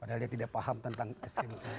padahal dia tidak paham tentang sma